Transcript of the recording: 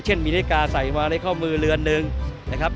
เช่นมีนิกาใส่มาในข้อมือเรือนนึงนะครับ